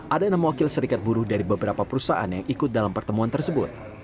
ada enam wakil serikat buruh dari beberapa perusahaan yang ikut dalam pertemuan tersebut